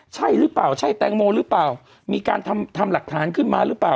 ใช่หรือเปล่าใช่แตงโมหรือเปล่ามีการทำทำหลักฐานขึ้นมาหรือเปล่า